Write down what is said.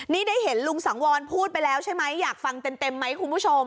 นี่ได้เห็นลุงสังวรพูดไปแล้วใช่ไหมอยากฟังเต็มไหมคุณผู้ชม